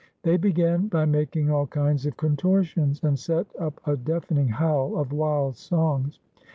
They began by making all kinds of contortions, and set up a deafening howl of wild songs.